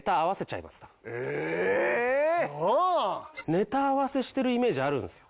ネタ合わせしてるイメージあるんですよ。